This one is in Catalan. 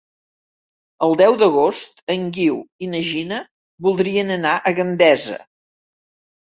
El deu d'agost en Guiu i na Gina voldrien anar a Gandesa.